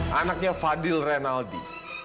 anaknya fadil rinaldi